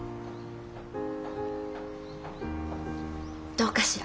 どうかしら。